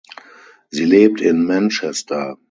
Sie lebt in Manchester.